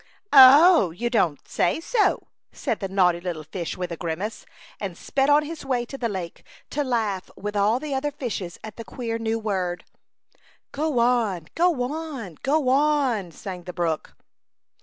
" Oh ! you don't say so," said the naughty little fish with a grimace, and sped on his way to the lake, to laugh with all the other fishes at the queer new word. 12 A Chautauqua Idyl. "Go on, go on, go on," sang the brook.